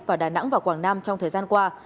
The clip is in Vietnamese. và đà nẵng và quảng nam trong thời gian qua